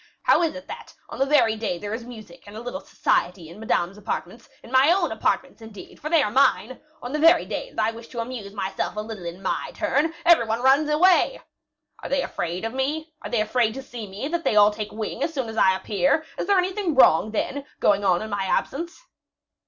How is it that, on the very day there is music and a little society in Madame's apartments in my own apartments, indeed, for they are mine on the very day that I wish to amuse myself a little in my turn, every one runs away? Are they afraid to see me, that they all take wing as soon as I appear? Is there anything wrong, then, going on in my absence?"